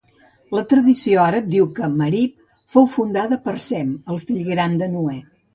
La tradició àrab diu que Marib fou fundada per Sem, el fill gran de Noè.